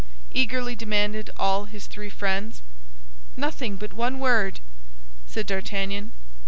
eagerly demanded all his three friends. "Nothing but one word!" said D'Artagnan.